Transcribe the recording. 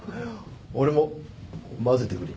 俺も交ぜてくれ。